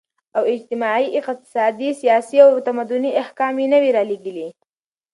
او اجتماعي، اقتصادي ، سياسي او تمدني احكام ئي نوي راليږلي